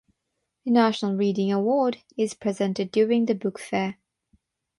The National Reading Award is presented during the book fair.